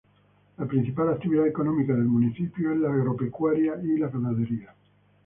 La principal actividad económica del municipio es la agropecuaria y la ganadería.